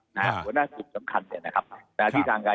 หัวหน้ากลุ่มสำคัญเนี่ยนะครับ